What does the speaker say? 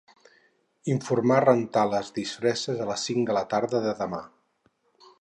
Informar rentar les disfresses a les cinc de la tarda de demà.